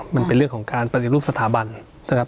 มันเป็นเรื่องของการปฏิรูปสถาบันนะครับ